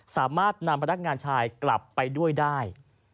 สามารถนำพนักงานชายกลับไปด้วยได้